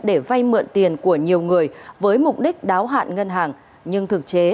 để vay mượn tiền của nhiều người với mục đích đáo hạn ngân hàng